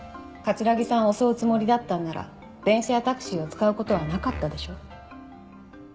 城さんを襲うつもりだったんなら電車やタクシーを使う事はなかったでしょ？